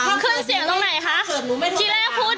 ถ้าขึ้นเสียงก่อนหนูก็ต้องขึ้นเสียงก่อน